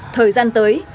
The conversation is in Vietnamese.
thời gian tới